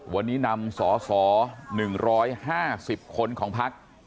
วันนี้นำสส๑๕๐คนของพัก